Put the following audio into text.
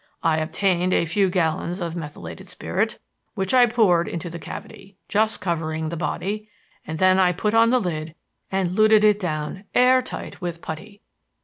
I obtained a few gallons of methylated spirit, which I poured into the cavity, just covering the body, and then I put on the lid and luted it down air tight with putty.